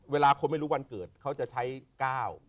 เวลาคนไม่รู้วันเกิดเขาจะใช้ก้าว